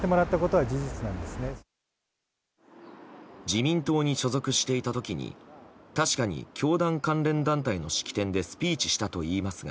自民党に所属していた時に確かに教団関連団体の式典でスピーチしたといいますが。